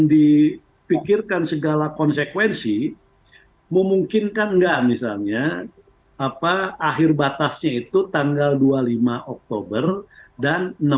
dipikirkan segala konsekuensi memungkinkan enggak misalnya apa akhir batasnya itu tanggal dua puluh lima oktober dan